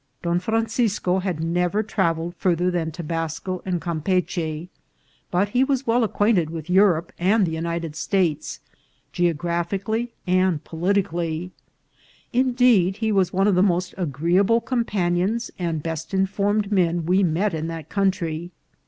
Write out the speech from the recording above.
Don Francisco had never trav elled farther than Tobasco and Campeachy, but he was well acquainted with Europe and the United States, geographically and politically; indeed, he was one of the most agreeable companions and best informed men we met in that country.